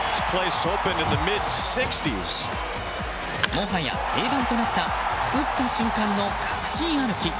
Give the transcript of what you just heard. もはや定番となった打った瞬間の確信歩き。